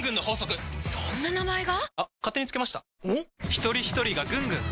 ひとりひとりがぐんぐん！